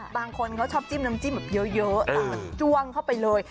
บางคนเขาชอบจิ้มน้ำจิ้มเยอะจวงเข้าไปเลย